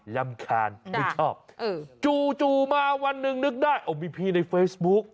รำคาญไม่ชอบจู่มาวันหนึ่งนึกได้มีพี่ในเฟซบุ๊ก